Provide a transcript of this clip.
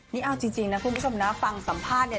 นี่เอาจริงนะคุณผู้ชมนะฟังสัมภาษณ์เนี่ย